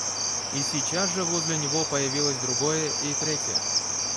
И сейчас же возле него появилось другое и третье.